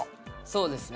そうですね